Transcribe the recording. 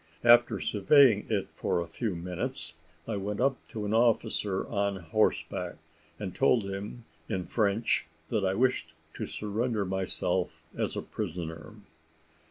After surveying it for a few minutes, I went up to an officer on horseback, and told him in French that I wished to surrender myself as a prisoner.